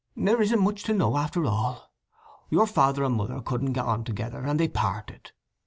There isn't much to know after all. Your father and mother couldn't get on together, and they parted.